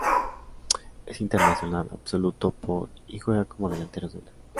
Es internacional absoluto por y juega como delantero centro.